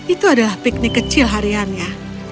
itu adalah piknik kecil hariannya